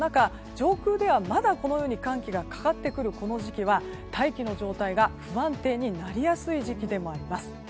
上空ではまだ寒気がかかってくるこの時期は大気の状態が不安定になりやすい時期でもあります。